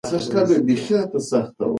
انا ماشوم ته په ډېرو بدو سترګو وکتل.